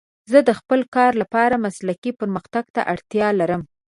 زه د خپل کار لپاره مسلکي پرمختګ ته اړتیا لرم.